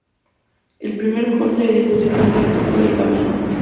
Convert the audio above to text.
El primer corte de difusión del disco fue "El camino".